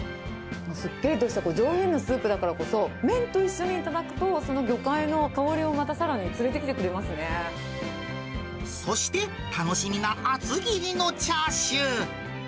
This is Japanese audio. すっきりとした上品なスープだからこそ、麺と一緒に頂くと、その魚介の香りをまたさらそして楽しみな厚切りのチャーシュー。